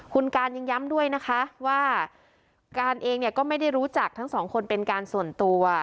คุณการยังย้ำด้วยนะคะว่าการเองเนี่ยก็ไม่ได้รู้จักทั้งสองคนเป็นการส่วนตัว